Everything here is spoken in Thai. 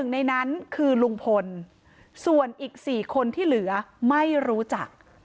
ในนั้นคือลุงพลส่วนอีก๔คนที่เหลือไม่รู้จัก